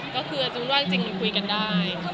ก็คือจริงว่าจริงคุยกันได้